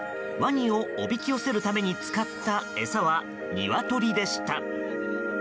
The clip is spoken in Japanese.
ワニをおびき寄せるために使った餌はニワトリでした。